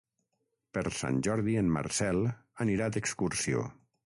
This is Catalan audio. Per Sant Jordi en Marcel anirà d'excursió.